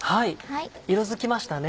色づきましたね。